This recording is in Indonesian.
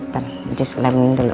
pesta ulang tahun